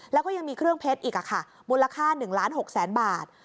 แล้วก็ยังมีเครื่องเพชรอีกค่ะมูลค่า๑ล้าน๖แสนบาท